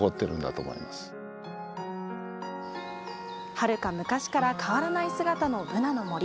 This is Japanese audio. はるか昔から変わらない姿のブナの森。